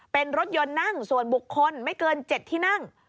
เป็นรถยนต์นั่งส่วนบุคคลไม่เกิน๗ที่นั่ง